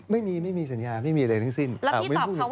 ตอนนี้ไม่มีอะไรแล้ว